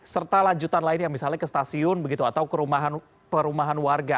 serta lanjutan lainnya misalnya ke stasiun begitu atau ke perumahan warga